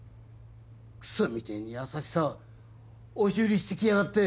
クソみてえに優しさ押し売りしてきやがって。